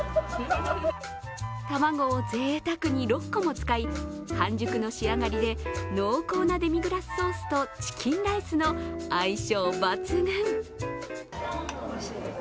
卵をぜいたくに６個も使い半熟の仕上がりで濃厚なデミグラスソースとチキンライスの相性抜群。